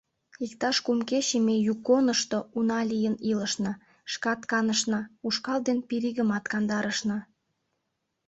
Иктаж кум кече ме Юконышто уна лийын илышна, шкат канышна, ушкал ден пиригымат кандарышна.